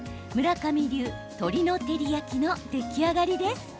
上流、鶏の照り焼きの出来上がりです。